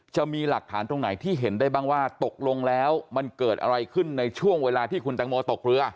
จะมีหลักฐานตรงไหนที่เห็นได้บ้างว่าตกลงแล้วมันเกิดอะไรขึ้นในช่วงเวลาที่คุณแตงโมตกเรือ